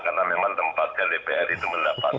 karena memang tempatnya dpr itu mendapatkan